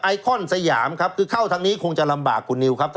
ไอคอนสยามครับคือเข้าทางนี้คงจะลำบากคุณนิวครับ